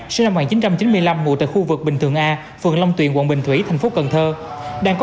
sinh năm một nghìn chín trăm chín mươi năm ngụ tại khu vực bình thường a phường long tuyền quận bình thủy thành phố cần thơ